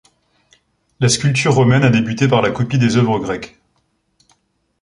La sculpture romaine a débuté par la copie des œuvres grecques.